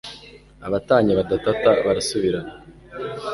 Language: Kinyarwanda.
abatanye badatata barasubirana